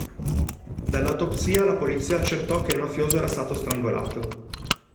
Dall'autopsia la polizia accertò che il mafioso era stato strangolato.